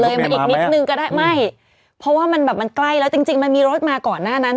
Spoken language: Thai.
มาอีกนิดนึงก็ได้ไม่เพราะว่ามันแบบมันใกล้แล้วจริงจริงมันมีรถมาก่อนหน้านั้น